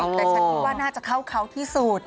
แต่ฉันคิดว่าน่าจะเข้าเขาที่สุด